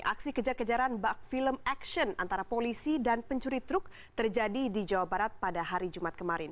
aksi kejar kejaran bak film action antara polisi dan pencuri truk terjadi di jawa barat pada hari jumat kemarin